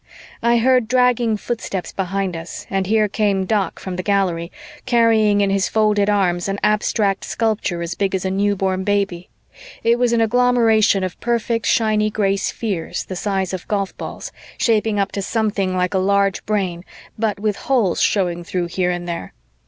I heard dragging footsteps behind us and here came Doc from the Gallery, carrying in his folded arms an abstract sculpture as big as a newborn baby. It was an agglomeration of perfect shiny gray spheres the size of golf balls, shaping up to something like a large brain, but with holes showing through here and there.